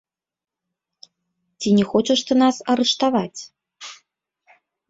Ці не хочаш ты нас арыштаваць?